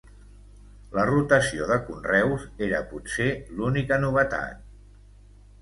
La rotació de conreus era potser l'única novetat.